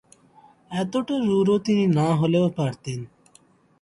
এতটা রূঢ় তিনি না হলেও পারতেন।